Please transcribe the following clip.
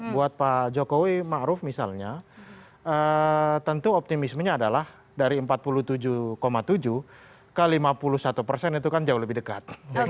buat pak jokowi ⁇ maruf ⁇ misalnya tentu optimismenya adalah dari empat puluh tujuh tujuh ke lima puluh satu persen itu kan jauh lebih dekat